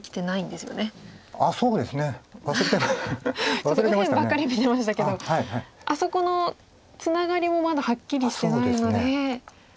ちょっと右辺ばっかり見てましたけどあそこのツナガリもまだはっきりしてないので。